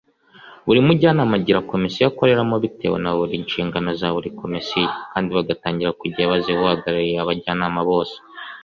Buri Mujyanama agira Komisiyo akoreramo bitewe naburi nshingano za buri komisiyo kandi bagatangira ku gihe baziha uhagarariye abajyanama bose.